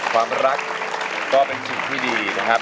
ความรักก็เป็นสิ่งที่ดีนะครับ